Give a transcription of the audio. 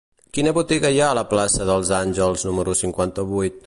Quina botiga hi ha a la plaça dels Àngels número cinquanta-vuit?